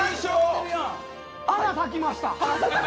花咲きました。